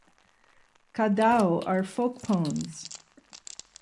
"Ca Dao" are folk poems.